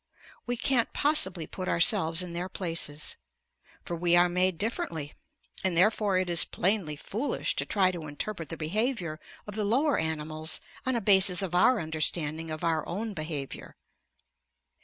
We can't possibly put ourselves in their places. For we are made differently. And therefore it is plainly foolish to try to interpret the behavior of the lower animals on a basis of our understanding of our own behavior.